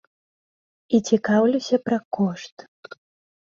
І цікаўлюся пра кошт.